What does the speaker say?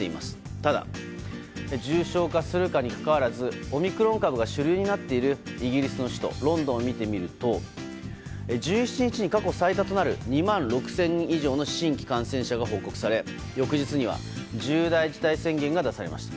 ただ、重症化するかにかかわらずオミクロン株が主流になっているイギリスの首都ロンドンを見てみると１７日に過去最多となる２万６０００人以上の新規感染者が報告され翌日には重大事態宣言が出されました。